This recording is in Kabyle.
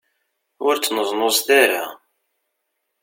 Ur ttneẓnuẓet ara.